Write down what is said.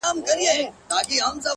هغه وكړې سوگېرې پــه خـاموشـۍ كي!